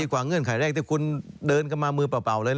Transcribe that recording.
เงื่อนไขแรกที่คุณเดินกันมามือเปล่าเลย